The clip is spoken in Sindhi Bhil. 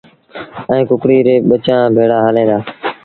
ائيٚݩ ڪڪڙي ري ٻچآݩ ڀيڙآ هليݩ دآ۔